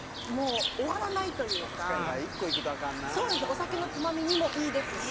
お酒のつまみにもいいですし。